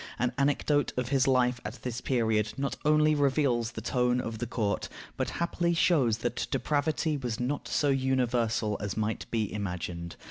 An anecdote of his life at this period not only reveals the tone of the court, but happily shows that depravity was not so universal as might be imagined.